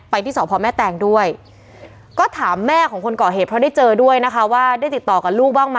ที่สพแม่แตงด้วยก็ถามแม่ของคนก่อเหตุเพราะได้เจอด้วยนะคะว่าได้ติดต่อกับลูกบ้างไหม